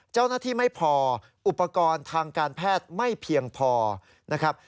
เจ้าหน้าที่ไม่พออุปกรณ์ทางการแพทย์ไม่เพียงพอนะครับ